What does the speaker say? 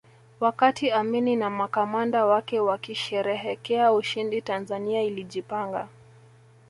Wakati Amini na makamanda wake wakisherehekea ushindi Tanzania ilijipanga